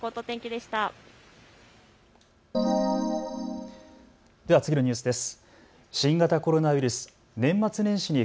では次のニュースです。